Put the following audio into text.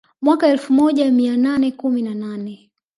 Mwaka elfu moja mia nane kumi na nane